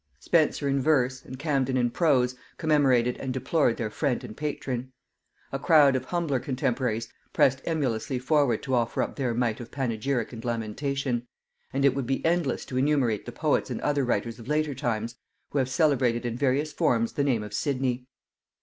Spenser in verse, and Camden in prose, commemorated and deplored their friend and patron. A crowd of humbler contemporaries pressed emulously forward to offer up their mite of panegyric and lamentation; and it would be endless to enumerate the poets and other writers of later times, who have celebrated in various forms the name of Sidney.